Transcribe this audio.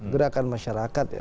gerakan masyarakat ya